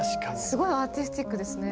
すごいアーティスティックですね。